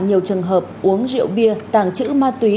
nhiều trường hợp uống rượu bia tàng trữ ma túy